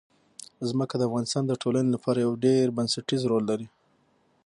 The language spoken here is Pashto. ځمکه د افغانستان د ټولنې لپاره یو ډېر بنسټيز رول لري.